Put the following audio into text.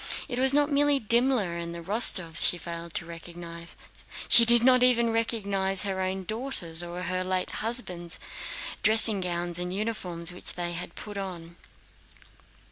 It was not merely Dimmler and the Rostóvs she failed to recognize, she did not even recognize her own daughters, or her late husband's, dressing gowns and uniforms, which they had put on.